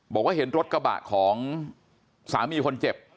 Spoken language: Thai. บอกว่าเห็นรถกระบะของสามีคนเจ็บ